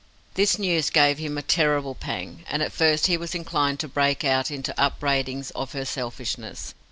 This news gave him a terrible pang; and at first he was inclined to break out into upbraidings of her selfishness.